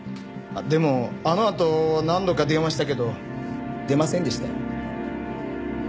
でもあのあと何度か電話したけど出ませんでしたよ。